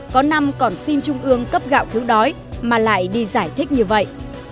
có năm còn xin trung ương cấp gạo cứu đói mà lại đi giải thích như vậy